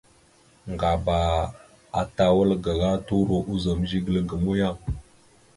Ŋgaba ata wal gaŋa turo ozum zigəla ga muyang.